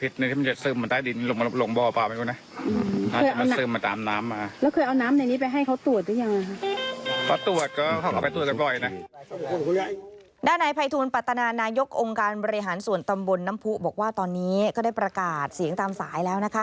ด้านนายภัยทูลปัตนานายกองค์การบริหารส่วนตำบลน้ำผู้บอกว่าตอนนี้ก็ได้ประกาศเสียงตามสายแล้วนะคะ